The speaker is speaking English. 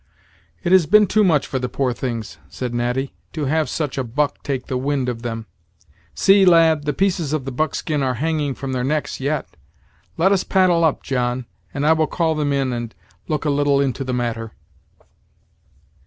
"It has been too much for the poor things," said Natty, "to have such a buck take the wind of them. See, lad, the pieces of the buckskin are hanging from their necks yet. Let us paddle up, John, and I will call them in and look a little into the matter."